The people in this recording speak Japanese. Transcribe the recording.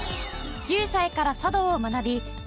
９歳から茶道を学び